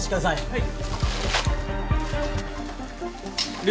はい。